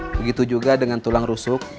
begitu juga dengan tulang rusuk